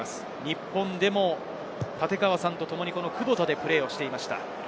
日本でも立川さんとともにクボタでプレーしていました。